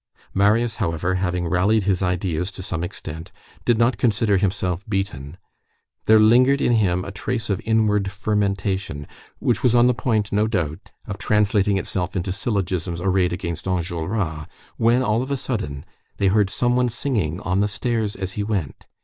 Marius, however, having rallied his ideas to some extent, did not consider himself beaten; there lingered in him a trace of inward fermentation which was on the point, no doubt, of translating itself into syllogisms arrayed against Enjolras, when all of a sudden, they heard some one singing on the stairs as he went.